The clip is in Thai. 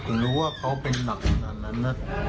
รู้ว่าเขาเป็นหนักขนาดนั้นนะ